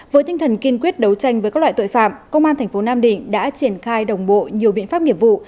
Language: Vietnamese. với tinh thần kiên quyết đấu tranh với các loại tội phạm công an thành phố nam định đã triển khai đồng bộ nhiều biện pháp nghiệp vụ